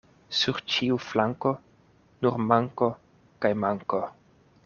Sur ĉiu flanko nur manko kaj manko.